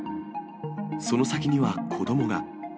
その先には子どもが。